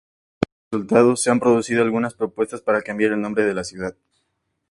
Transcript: Como resultado se han producido algunas propuestas para cambiar el nombre de la ciudad.